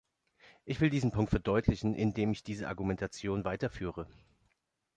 Ich will diesen Punkt verdeutlichen, indem ich diese Argumentation weiterführe.